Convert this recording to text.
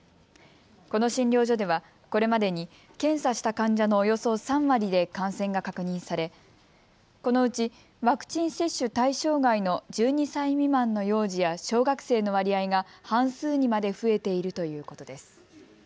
この診療所では、これまでに検査した患者のおよそ３割で感染が確認されこのうちワクチン接種対象外の１２歳未満の幼児や小学生の割合が半数にまで増えているということです。